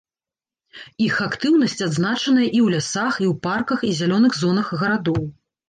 Іх актыўнасць адзначаная і ў лясах, і ў парках і зялёных зонах гарадоў.